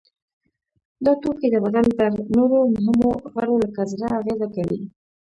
دا توکي د بدن پر نورو مهمو غړو لکه زړه اغیزه کوي.